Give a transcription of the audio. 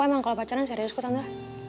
aku emang kalau pacarnya serius kok tante